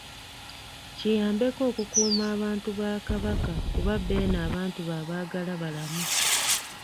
Kiyambeko okukuuma abantu ba Kabaka kuba Beene abantu be abaagala balamu.